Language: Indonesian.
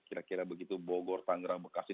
kira kira begitu bogor tangerang bekasi